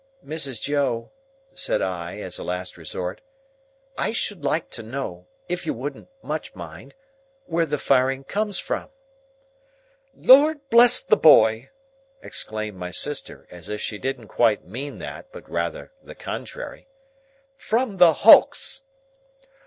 "Mrs. Joe," said I, as a last resort, "I should like to know—if you wouldn't much mind—where the firing comes from?" "Lord bless the boy!" exclaimed my sister, as if she didn't quite mean that but rather the contrary. "From the Hulks!"